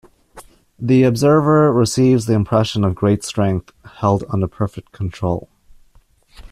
The observer receives the impression of great strength held under perfect control.